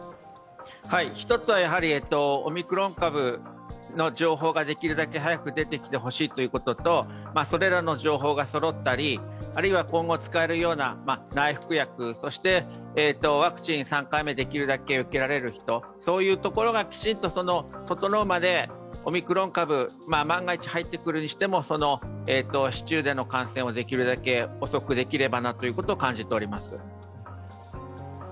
１つはオミクロン株の情報ができるだけ早く出てきてほしいということとそれらの情報がそろったり、あるいは今後使えるような内服薬、ワクチン３回目できるだけ受けられる人そういうところがきちっと整うまでオミクロン株が万が一入ってくるにしても、市中での感染をできるだけ遅くできればなと感じております。